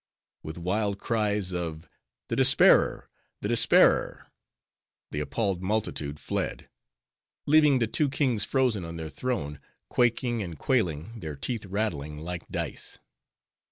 With wild cries of "The Despairer! The Despairer!" the appalled multitude fled; leaving the two kings frozen on their throne, quaking and quailing, their teeth rattling like dice.